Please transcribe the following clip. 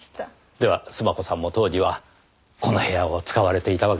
では須磨子さんも当時はこの部屋を使われていたわけですね。